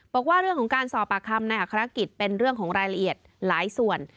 บอกว่าเรื่องของการสอบปากคำในอัครกิจเป็นเรื่องของรายละเอียดหลายส่วน